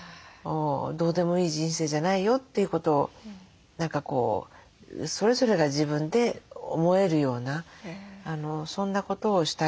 どうでもいい人生じゃないよということを何かそれぞれが自分で思えるようなそんなことをしたい。